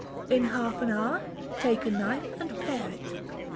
In half an hour, take a knife and pare it.